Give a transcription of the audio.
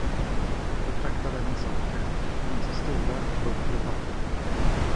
Jag betraktade hans saker, hans stolar, böcker och papper.